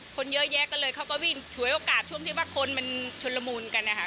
คนเยอะแยะก็เลยเขาก็วิ่งฉวยโอกาสช่วงที่ว่าคนมันชนละมูลกันนะคะ